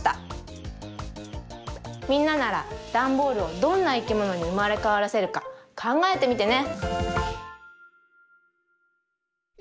みんなならダンボールをどんないきものにうまれかわらせるかかんがえてみてね。